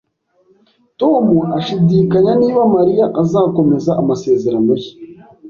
Tom ashidikanya niba Mariya azakomeza amasezerano ye